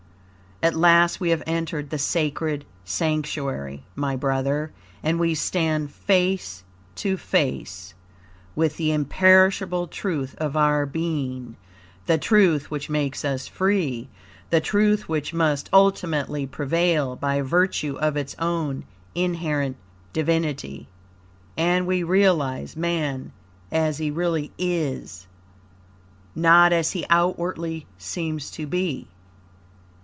At last we have entered the Sacred Sanctuary, my brother, and we stand face to face with the imperishable truth of our being the truth which makes us free, the truth which must ultimately prevail, by virtue of its own inherent Divinity; and we realize Man as he really is, not as he outwardly seems to be.